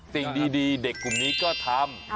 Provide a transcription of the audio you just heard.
สิ่งดีเด็กกลุ่มนี้ก็ทำ